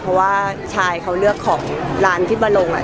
เพราะว่าชายเขาเลือกของร้านที่มาลงอ่ะ